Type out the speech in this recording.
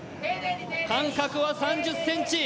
間隔は３０ｃｍ。